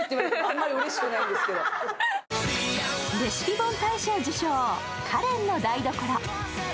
レシピ本大賞受賞、「カレンの台所」。